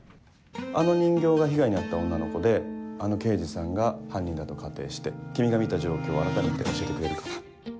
あの人形が被害に遭った女の子であの刑事さんが犯人だと仮定して君が見た状況をあらためて教えてくれるかな。